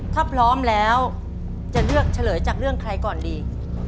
ถ้าพร้อมแล้วจะเลือกเฉลยจากเรื่องใครก่อนดี